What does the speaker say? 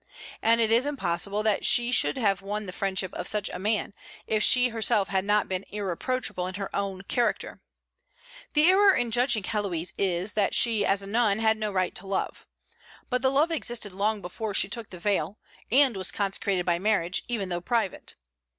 And it is impossible that she should have won the friendship of such a man, if she herself had not been irreproachable in her own character. The error in judging Héloïse is, that she, as nun, had no right to love. But the love existed long before she took the veil, and was consecrated by marriage, even though private.